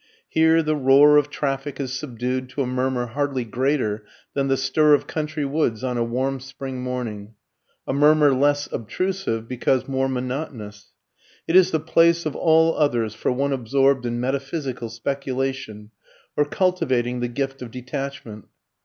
Here the roar of traffic is subdued to a murmur hardly greater than the stir of country woods on a warm spring morning a murmur less obtrusive, because more monotonous. It is the place of all others for one absorbed in metaphysical speculation, or cultivating the gift of detachment.